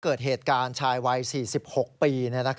เกิดเหตุการณ์ชายวัย๔๖ปี